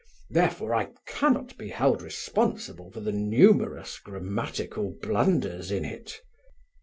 Therefore I cannot be held responsible for the numerous grammatical blunders in it."